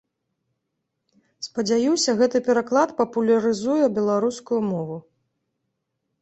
Спадзяюся, гэты пераклад папулярызуе беларускую мову.